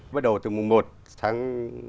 bắt đầu từ mùng một tháng